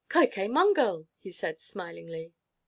"Keuke Mongol!" he said, smilingly.